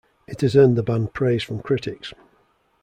It has earned the band praise from critics.